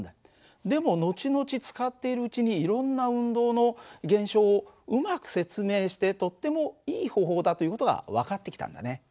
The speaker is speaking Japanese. でも後々使っているうちにいろんな運動の現象をうまく説明してとってもいい方法だという事が分かってきたんだね。